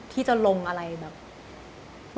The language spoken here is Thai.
ที่จะลงอะไรแบบ